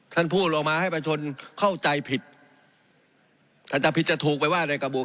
ท่านพูดออกมาให้ประชาชนเข้าใจผิดท่านจะผิดจะถูกไปว่าในกระบวก